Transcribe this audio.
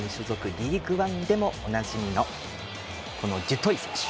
リーグワンでもおなじみのこのデュトイ選手。